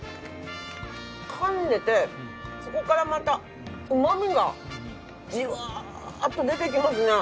かんでてそこからまたうま味がじわーっと出てきますね。